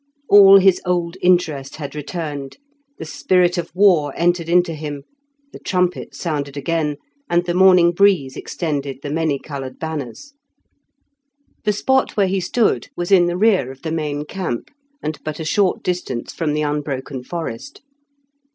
All his old interest had returned, the spirit of war entered into him, the trumpet sounded again, and the morning breeze extended the many coloured banners. The spot where he stood was in the rear of the main camp, and but a short distance from the unbroken forest.